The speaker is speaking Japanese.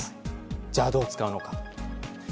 じゃあどう使うのか。